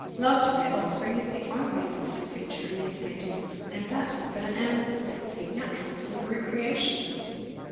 Love to their offspring is the only softening feature in these savages, and that is but an animal propensity natural to the brute creation.